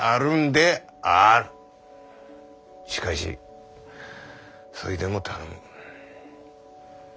しかしそいでも頼む。